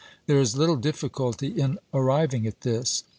There is little difficulty in arriving at this.